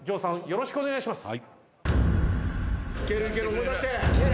よろしくお願いします。